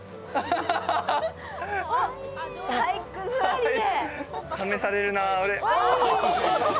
おっ体育座りで。